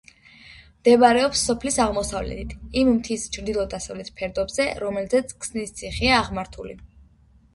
მდებარეობს სოფლის აღმოსავლეთით, იმ მთის ჩრდილო-დასავლეთ ფერდობზე, რომელზეც ქსნის ციხეა აღმართული.